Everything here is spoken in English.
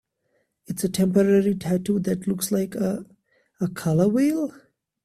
It's a temporary tattoo that looks like... a color wheel?